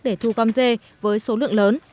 để thu gom dê với số lượng lớn